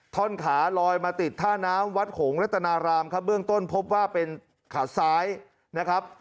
ท่อนขาลอยมาติดท่าน้ำวัดโขงรัตนารามครับเบื้องต้นพบว่าเป็นขาซ้ายนะครับ